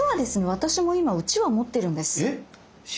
私も今うちわ持ってるんです。